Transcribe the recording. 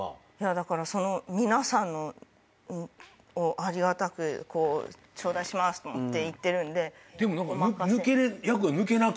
だから皆さんのありがたく頂戴しますっていってるんでお任せ。